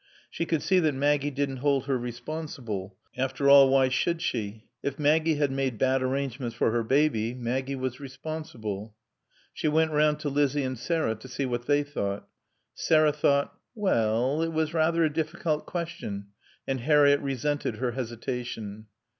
She could see that Maggie didn't hold her responsible. After all, why should she? If Maggie had made bad arrangements for her baby, Maggie was responsible. She went round to Lizzie and Sarah to see what they thought. Sarah thought: Well it was rather a difficult question, and Harriett resented her hesitation.